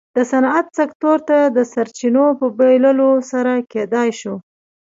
د صنعت سکتور ته د سرچینو په بېلولو سره کېدای شوای.